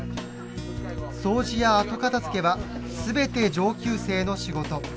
掃除や後片づけは全て上級生の仕事。